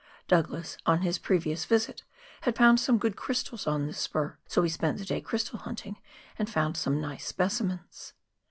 Douglas, on his previous visit, had found some good crystals on this spar, so we spent the day crystal hunting, and found some nice specimens.